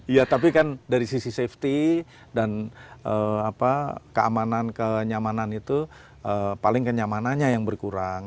iya tapi kan dari sisi safety dan keamanan kenyamanan itu paling kenyamanannya yang berkurang